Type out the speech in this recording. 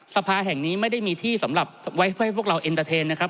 สภาแห่งนี้ไม่ได้มีที่สำหรับไว้เพื่อให้พวกเราเอ็นเตอร์เทนนะครับ